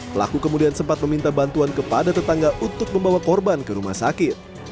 pelaku kemudian sempat meminta bantuan kepada tetangga untuk membawa korban ke rumah sakit